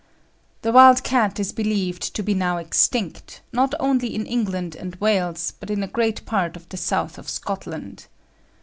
"The wild cat is believed to be now extinct, not only in England and Wales, but in a great part of the south of Scotland.